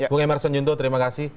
bung emerson yunto terima kasih